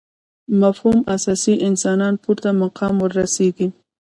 مفهوم اساس انسانان پورته مقام ورسېږي.